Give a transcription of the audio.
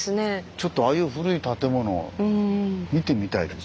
ちょっとああいう古い建物見てみたいですよね。